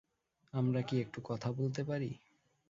আমরা কি একটু কথা বলতে পারি?